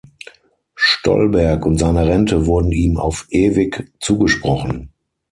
Stolberg und seine Rente wurden ihm auf ewig zugesprochen.